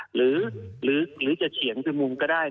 หรือจะเฉียงไปมุมก็ได้